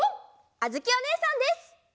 あづきおねえさんです！